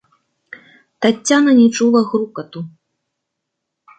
Таццяна не чула грукату.